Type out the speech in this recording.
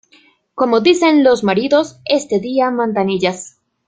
Como dicen los maridos "este día mandan ellas".